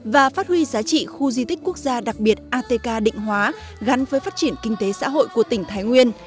và phát huy giá trị khu di tích quốc gia đặc biệt atk định hóa gắn với phát triển kinh tế xã hội của tỉnh thái nguyên